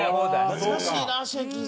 懐かしいなシェーキーズ。